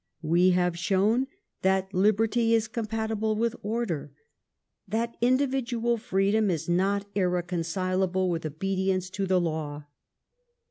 We have shown that liberty is compatible with order, that individual freedom is not irreconcilable with obedience to the law.